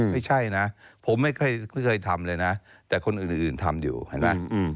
ไม่ใช่นะผมไม่เคยทำเลยนะแต่คนอื่นทำอยู่เห็นไหม